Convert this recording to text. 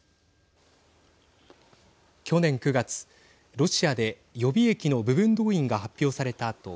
去年９月、ロシアで予備役の部分動員が発表されたあと